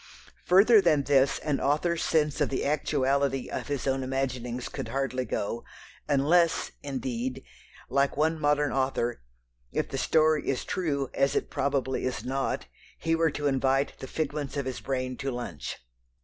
Further than this an author's sense of the actuality of his own imaginings could hardly go, unless, indeed, like one modern author if the story is true, as it probably is not he were to invite the figments of his brain to lunch!